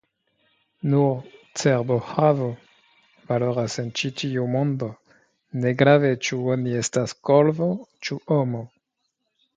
Nur cerbohavo valoras en ĉi tiu mondo, negrave ĉu oni estas korvo ĉu homo.